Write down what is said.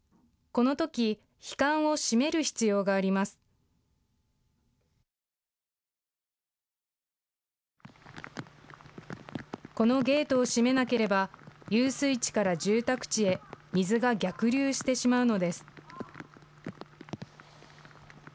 このゲートを閉めなければ遊水地から住宅地へ水が逆流してしまうのです。